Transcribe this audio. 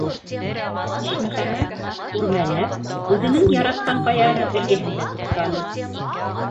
Ишмөхәмәт, үрмәләп, үҙенең яратҡан ҡаяһы эргәһендә туҡтаны.